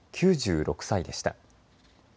９６歳でした。